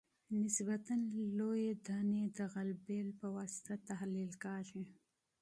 نسبتاً لویې دانې د غلبیل په واسطه تحلیل کیږي